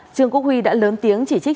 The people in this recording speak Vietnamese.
trương quốc huy đã lớn tiếng chỉ trích